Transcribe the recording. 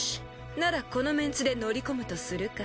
ならこのメンツで乗り込むとするか。